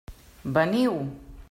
Veniu!